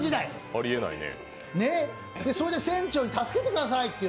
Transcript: それで船長に助けてくださいって。